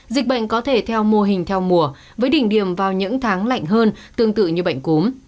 dịch bệnh có thể theo mô hình theo mùa với đỉnh điểm vào những tháng lạnh hơn tương tự như bệnh cúm